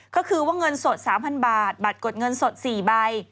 ก็คือว่าเงินสด๓๐๐บาทบัตรกดเงินสด๔ใบ